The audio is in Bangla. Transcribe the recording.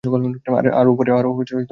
আরো, উপরে।